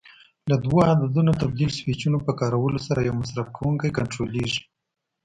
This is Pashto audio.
له دوو عددونو تبدیل سویچونو په کارولو سره یو مصرف کوونکی کنټرولېږي.